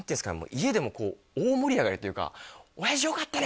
家でもこう大盛り上がりというか「親父よかったね！」